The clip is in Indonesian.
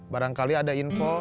barangkali ada info